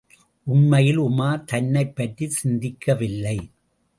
உண்மையில் உமார் தன்னைப் பற்றிச் சிந்திக்கவில்லை.